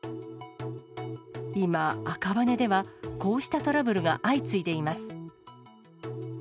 今、赤羽では、こうしたトラブルが相次いでいます。